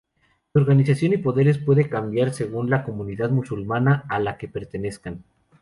Su organización y poderes puede cambiar según la comunidad musulmana a la que pertenezcan.